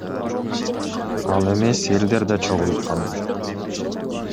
Ал эмес элдер да чогулуп калды.